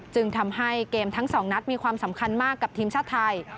จึงทำให้เกมทั้งสองนัดมีความสำคัญมากกับทีมชาติไทย